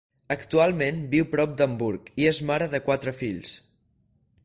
Actualment viu prop d'Hamburg i és mare de quatre fills.